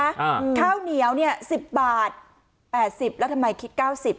อ่าข้าวเหนียวเนี้ยสิบบาทแปดสิบแล้วทำไมคิดเก้าสิบ